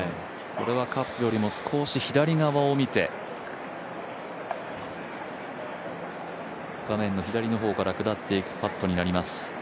これはカップよりも少し左側を見て、画面の左の方から下っていくパットになります。